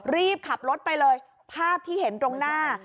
รีบขับรถไปเลยภาพที่เห็นตรงหน้า